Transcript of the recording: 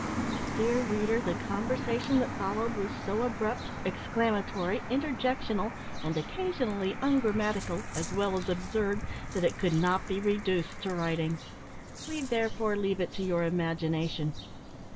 Dear reader, the conversation that followed was so abrupt, exclamatory, interjectional, and occasionally ungrammatical, as well as absurd, that it could not be reduced to writing. We therefore leave it to your imagination.